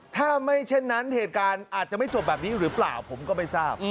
ถ้าไม่เช่นนั้นเหตุการณ์อาจจะไม่จบแบบนี้หรือเปล่าผมก็ไม่ทราบ